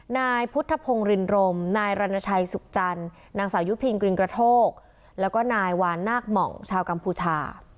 นายพุทธพงศ์รินรมนายรณชัยสุขจันทร์นางสาวยุพินกริงกระโทกแล้วก็นายวานนาคหม่องชาวกัมพูชา